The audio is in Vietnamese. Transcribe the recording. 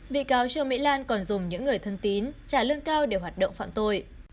bị cáo trương mỹ lan còn dùng những người thân tín trả lương cao để hoạt động phạm tội